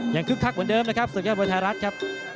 ยังคึกคักเหมือนเดิมนะครับศึกภาพบริษัทไทยรัฐครับ